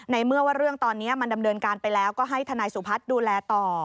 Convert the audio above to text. ในเมื่อว่าเรื่องตอนนี้มันดำเนินการไปแล้วก็ให้ทนายสุพัฒน์ดูแลต่อ